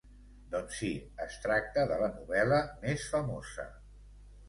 Doncs si es tracta de la novel·la més famosa.